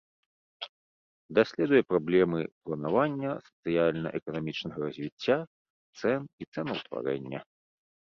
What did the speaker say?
Даследуе праблемы планавання сацыяльна-эканамічнага развіцця, цэн і цэнаўтварэння.